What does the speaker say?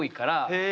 へえ。